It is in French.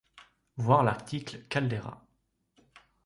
Voir l'article caldeira.